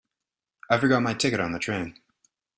I forgot my ticket on the train.